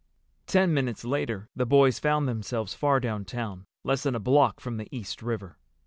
Ten minutes later the boys found themselves far downtown, less than a block from the East River.